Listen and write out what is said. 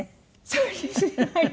そうですはい。